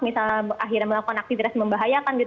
misalnya akhirnya melakukan aktivitas membahayakan